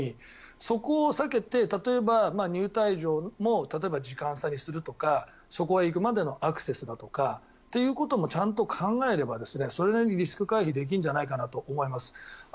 そこを避けて、例えば入退場も例えば時間差にするとかそこへ行くまでのアクセスだとかということもちゃんと考えればそれなりにリスク回避できるんじゃないかと思います。